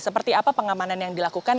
seperti apa pengamanan yang dilakukan